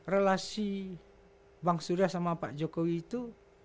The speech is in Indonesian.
relasi bang surya sama pak jokowi itu